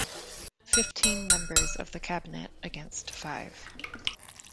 Fifteen members of the Cabinet against five.